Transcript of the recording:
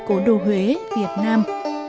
của đô huế việt nam